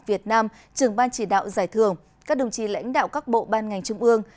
việt nam trưởng ban chỉ đạo giải thưởng các đồng chí lãnh đạo các bộ ban ngành trung ương